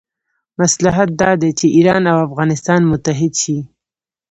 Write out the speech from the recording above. مصلحت دا دی چې ایران او افغانستان متحد شي.